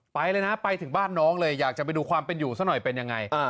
ไปเลยนะไปถึงบ้านน้องเลยอยากจะไปดูความเป็นอยู่ซะหน่อยเป็นยังไง